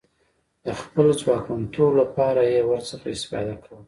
د خپل ځواکمنتوب لپاره یې ورڅخه استفاده کوله.